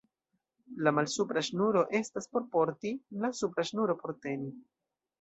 La malsupra ŝnuro estas por porti, la supra ŝnuro por teni.